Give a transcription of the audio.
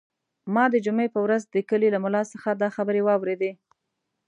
ما د جمعې په ورځ د کلي له ملا څخه دا خبرې واورېدې.